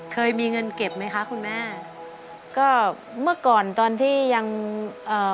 เคยมีเงินเก็บไหมคะคุณแม่ก็เมื่อก่อนตอนที่ยังเอ่อ